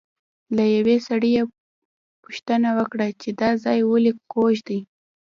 له یوه سړي یې پوښتنه وکړه چې دا ځای ولې کوږ دی.